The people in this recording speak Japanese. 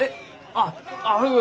あっああ